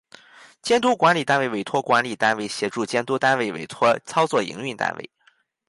监督管理单位委托管理单位协助监督单位委托操作营运单位